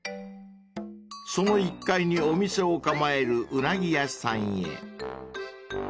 ［その１階にお店を構えるウナギ屋さんへ］